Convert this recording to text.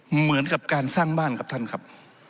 เหมือนกับการสร้างบ้านครับท่านครับ